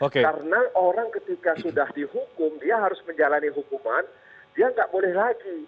karena orang ketika sudah dihukum dia harus menjalani hukuman dia nggak boleh lagi